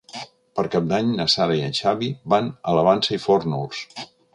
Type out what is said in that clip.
Per Cap d'Any na Sara i en Xavi van a la Vansa i Fórnols.